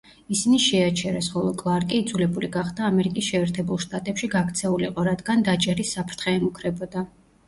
ისინი შეაჩერეს, ხოლო კლარკი იძლებული გახდა ამერიკის შეერთებულ შტატებში გაქცეულიყო, რადგან დაჭერის საფრთხე ემუქრებოდა.